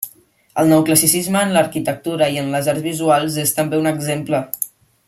El neoclassicisme en l'arquitectura i en les arts visuals és també un exemple.